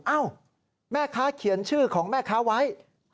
อ้าวแม่ค้าเขียนชื่อของแม่ค้าไว้